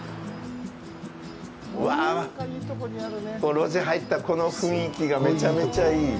うわあ、路地入ったこの雰囲気がめちゃめちゃいい。